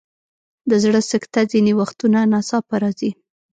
د زړه سکته ځینې وختونه ناڅاپه راځي.